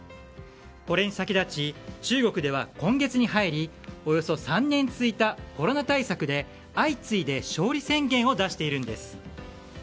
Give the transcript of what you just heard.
これに先立ち中国では今月に入りおよそ３年続いたコロナ対策で相次いで勝利宣言を出しているんです。